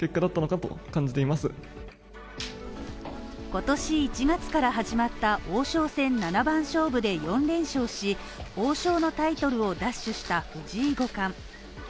今年１月から始まった王将戦七番勝負で４連勝し王将のタイトルを奪取した藤井五冠。